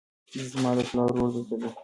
زما د پلار ورور دلته دی